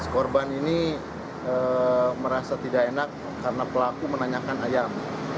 korban ini merasa tidak enak karena pelaku menanyakan ayam